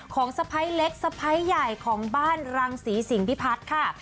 สะพ้ายเล็กสะพ้ายใหญ่ของบ้านรังศรีสิงพิพัฒน์ค่ะ